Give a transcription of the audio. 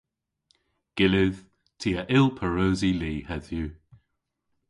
Gyllydh. Ty a yll pareusi li hedhyw.